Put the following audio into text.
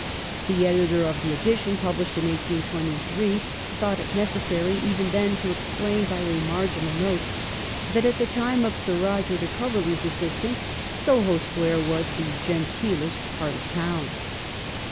The editor of the edition published in 1823 thought it necessary even then to explain by a marginal note that at the time of Sir Eoger de Coverley's existence Soho Square was Hhe genteelest part of the town.'